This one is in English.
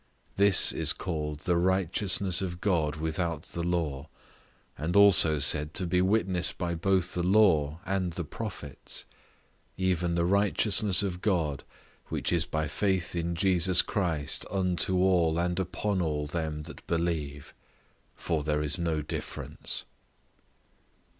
This is called the righteousness of God without the law, and also said to be witnessed by both the law and the prophets; even the righteousness of God, which is by faith in Jesus Christ unto all and upon all them that believe; for there is no difference.